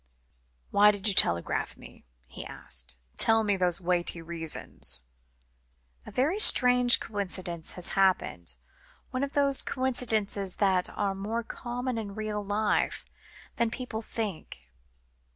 "Why did you telegraph to me?" he asked. "Tell me those weighty reasons " "A very strange coincidence has happened, one of those coincidences which are more common in real life, than people think.